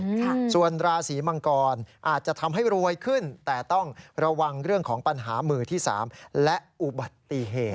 ค่ะส่วนราศีมังกรอาจจะทำให้รวยขึ้นแต่ต้องระวังเรื่องของปัญหามือที่สามและอุบัติเหตุ